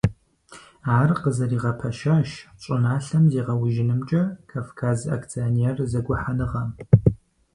Ар къызэригъэпэщащ щӀыналъэм зегъэужьынымкӀэ «Кавказ» акционер зэгухьэныгъэм.